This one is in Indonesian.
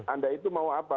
anda itu mau apa